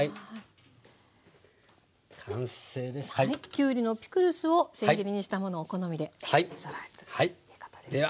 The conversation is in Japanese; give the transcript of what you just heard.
きゅうりのピクルスをせん切りにしたものをお好みで添えるということですね。